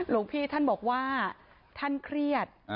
หลวงพี่ท่านบอกว่าท่านเครียด